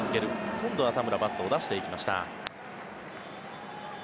今度は田村バットを出していきました。